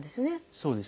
そうですね。